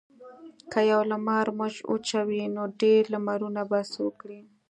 که یو لمر موږ وچوي نو ډیر لمرونه به څه وکړي.